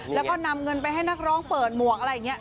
แล้วก็นำเงินไปให้นักร้องเปิดหมวกอะไรอย่างนี้